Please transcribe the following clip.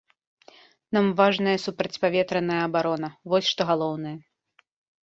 Нам важная супрацьпаветраная абарона, вось што галоўнае.